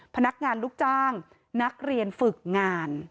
พนักงานลูกจ้างนักเรียนฝึกงาน